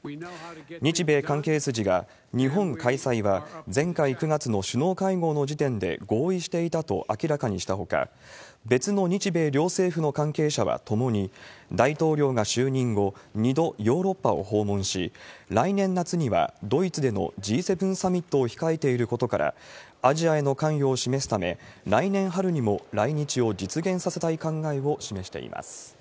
日米関係筋が、日本開催は前回９月の首脳会合の時点で合意していたと明らかにしたほか、別の日米両政府の関係者はともに、大統領が就任後、２度ヨーロッパを訪問し、来年夏にはドイツでのＧ７サミットを控えていることから、アジアへの関与を示すため、来年春にも来日を実現させたい考えを示しています。